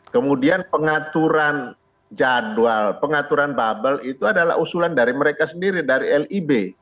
kemudian pengaturan jadwal pengaturan bubble itu adalah usulan dari mereka sendiri dari lib